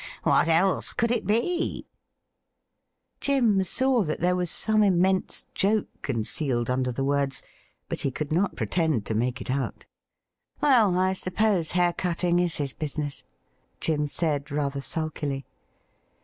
What else could it be .?' Jim saw that there was some immense joke concealed under the words, but he could not pretend to make it out. ' Well, I suppose hair cutting is his business,' Jim said rather sulkily.